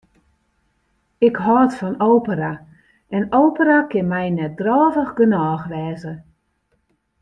Ik hâld fan opera en opera kin my net drôvich genôch wêze.